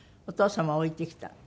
お父様は置いてきた？